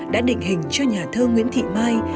đã định hình cho nhà thơ nguyễn thị mai